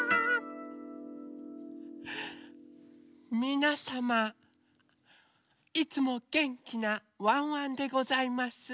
みなさまいつもげんきなワンワンでございます。